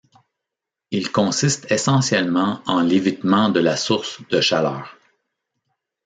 Il consiste essentiellement en l'évitement de la source de chaleur.